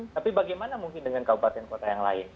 tapi bagaimana mungkin dengan kabupaten kota yang lain